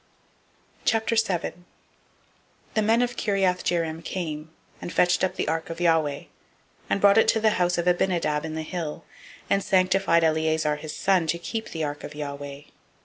007:001 The men of Kiriath Jearim came, and fetched up the ark of Yahweh, and brought it into the house of Abinadab in the hill, and sanctified Eleazar his son to keep the ark of Yahweh.